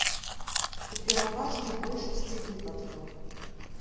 У пераважнай большасці выпадкаў.